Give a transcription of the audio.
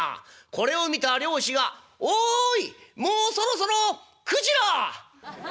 これを見た漁師が『おいもうそろそろくじら！」。